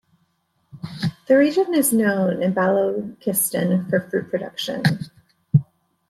The region is known in Balochistan for fruit production.